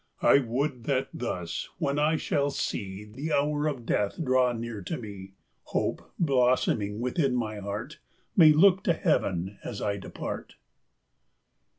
I would that thus, when I shall see The hour of death draw near to me, Hope, blossoming within my heart, May look to heaven as I depart.